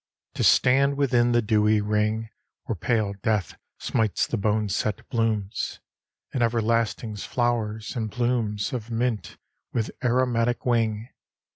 To stand within the dewy ring Where pale death smites the boneset blooms, And everlasting's flowers, and plumes Of mint, with aromatic wing!